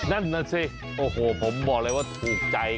นั่นน่ะสิโอ้โหผมบอกเลยว่าถูกใจ